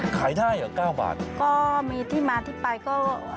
ก็มีที่มาที่ไปก็